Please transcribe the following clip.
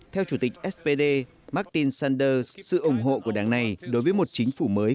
theo chủ tịch spd martin sanders sự ủng hộ của đảng này đối với một chính phủ mới